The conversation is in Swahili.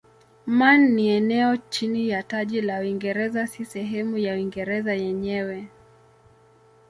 Man ni eneo chini ya taji la Uingereza si sehemu ya Uingereza yenyewe.